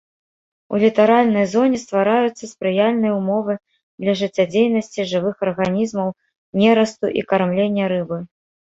У літаральнай зоне ствараюцца спрыяльныя ўмовы для жыццядзейнасці жывых арганізмаў, нерасту і кармлення рыбы.